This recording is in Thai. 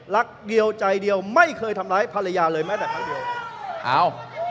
รักเดียวใจเดียวไม่เคยทำร้ายภรรยาเลยแม้แต่ครั้งเดียวอ้าว